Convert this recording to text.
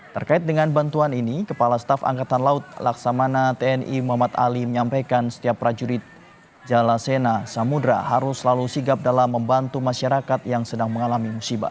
terkait dengan bantuan ini kepala staf angkatan laut laksamana tni muhammad ali menyampaikan setiap prajurit jalasena samudera harus selalu sigap dalam membantu masyarakat yang sedang mengalami musibah